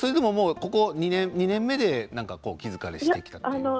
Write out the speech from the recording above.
ここ２年目で気疲れしてきたというか。